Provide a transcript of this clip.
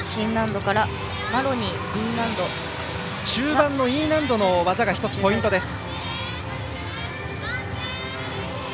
中盤のＥ難度の技がポイントです。